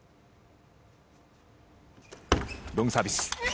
ロングサービス。